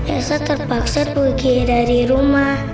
elsa terpaksa pergi dari rumah